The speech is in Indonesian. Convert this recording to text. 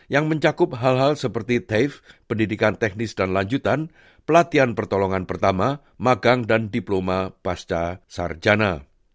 yang mencakup hal hal seperti taf pendidikan teknis dan lanjutan pelatihan pertolongan pertama magang dan diploma pasca sarjana